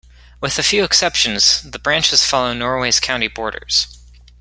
With a few exceptions the branches follow Norway's county borders.